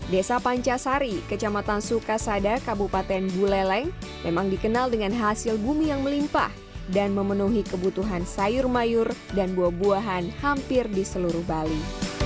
desa pancasari kecamatan sukasada kabupaten buleleng memang dikenal dengan hasil bumi yang melimpah dan memenuhi kebutuhan sayur mayur dan buah buahan hampir di seluruh bali